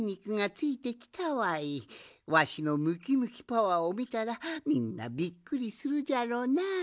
わしのムキムキパワーをみたらみんなびっくりするじゃろうな。